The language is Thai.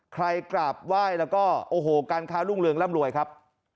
กราบไหว้แล้วก็โอ้โหการค้ารุ่งเรืองร่ำรวยครับ